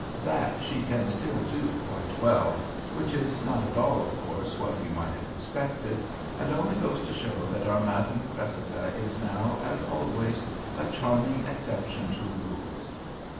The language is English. That she can still do quite well, which is not at all, of course, what we might have expected, and only goes to show that our Madame Cressida is now, as always, a charming exception to rules."